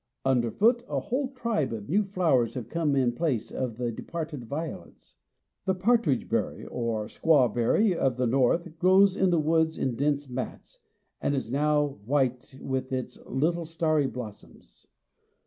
Under foot, a whole tribe of new flowers have come in place of the departed violets. The partridge berry or squaw berry of the North grows in the woods in dense mats, and is now white with its little starry blossoms.